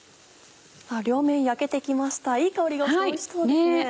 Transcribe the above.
両面焼けて来ましたいい香りがしておいしそうです。